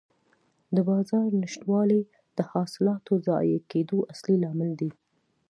د بازار نشتوالی د حاصلاتو ضایع کېدو اصلي لامل دی.